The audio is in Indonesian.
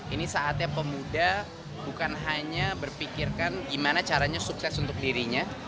ini saatnya pemuda bukan hanya berpikirkan gimana caranya sukses untuk dirinya